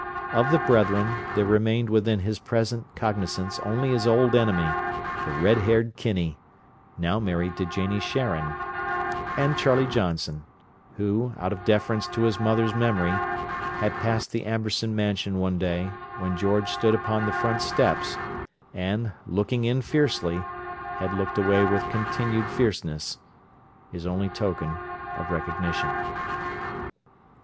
Of the brethren, there remained within his present cognizance only his old enemy, the red haired Kinney, now married to Janie Sharon, and Charlie Johnson, who, out of deference to his mother's memory, had passed the Amberson Mansion one day, when George stood upon the front steps, and, looking in fiercely, had looked away with continued fierceness—his only token of recognition.